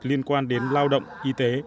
liên quan đến lao động y tế